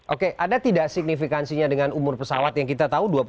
oke ada tidak signifikansinya dengan umur pesawat yang kita tahu